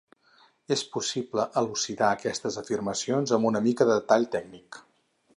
És possible elucidar aquestes afirmacions amb una mica de detall tècnic.